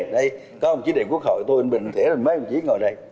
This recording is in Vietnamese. đây có ông chí đệ quốc hội tôi anh bình thẻ mấy ông chí ngồi đây